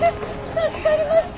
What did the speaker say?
助かりました。